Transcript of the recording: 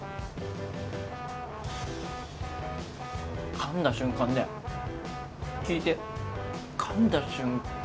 かんだ瞬間聞いてかんだ瞬間